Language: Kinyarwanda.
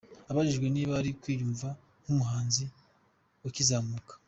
Abajijwe niba ari kwiyumva nk’umuhanzi ukizamuka.